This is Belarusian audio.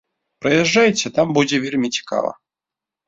Прыязджайце, там будзе вельмі цікава!